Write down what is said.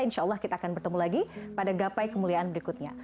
insya allah kita akan bertemu lagi pada gapai kemuliaan berikutnya